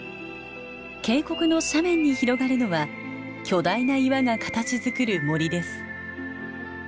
渓谷の斜面に広がるのは巨大な岩が形づくる森です。